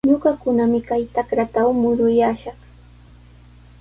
Ñuqakunami kay trakratraw muruyaashaq.